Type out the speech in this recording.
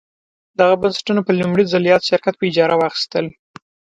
دغه بنسټونه په لومړي ځل یاد شرکت په اجاره واخیستل.